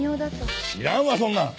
知らんわそんなん！